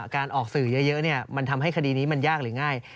การออกสื่อเยอะมันทำให้คดีนี้มันยากหรือง่าย